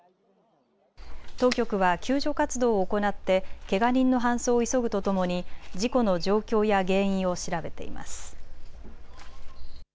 当局は救助活動を行ってけが人の搬送を急ぐとともに事故の状況や原因を調べています。